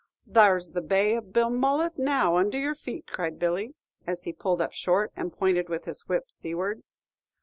"There's the Bay of Belmullet now under your feet," cried Billy, as he pulled up short, and pointed with his whip seaward.